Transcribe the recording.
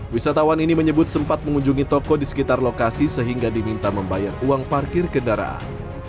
wisatawan ini menyebut sempat mengunjungi toko di sekitar lokasi sehingga diminta membayar uang parkir kendaraan